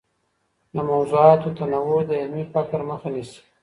د موضوعاتو تنوع د علمي فقر مخه نيسي.